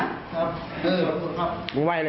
มต้นหนาเอาไปดูคลิปก่อนครับ